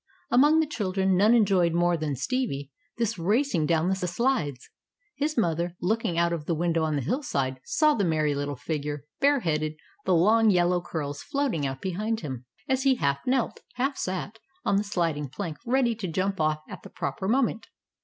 Among the children none enjoyed more than Stevie this racing down the slides. His mother, looking out of the window on the hillside, saw the merry little figure, bareheaded, the long yellow curls floating out behind him, as he half knelt, half sat on the sliding plank ready to jump off at the proper moment.